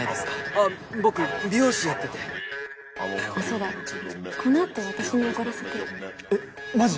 あぁ僕美容師やっててあっそうだこのあと私におごらせてよえっマジ？